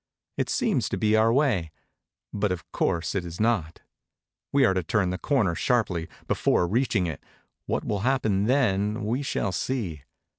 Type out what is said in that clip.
It seems to be our way; but of course it is not. We are to turn the corner sharply, before reaching it; what will happen then we shall see.